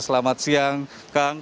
selamat siang kang